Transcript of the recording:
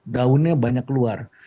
daunnya banyak keluar